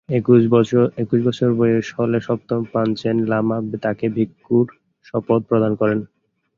একুশ বছর বয়স হলে সপ্তম পাঞ্চেন লামা তাকে ভিক্ষুর শপথ প্রদান করেন।